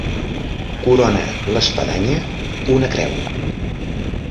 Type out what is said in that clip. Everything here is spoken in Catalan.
Corona l'espadanya una creu.